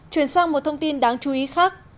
chuyển sang một thông tin đáng chú ý khác